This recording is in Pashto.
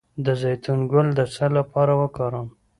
د زیتون ګل د څه لپاره وکاروم؟